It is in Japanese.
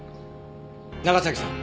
長崎さん